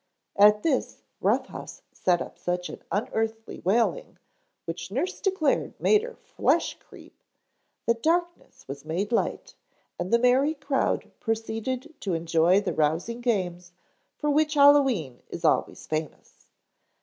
At this Rough House set up such an unearthly wailing, which nurse declared made her flesh creep, that darkness was made light and the merry crowd proceeded to enjoy the rousing games for which Hallowe'en is always famous.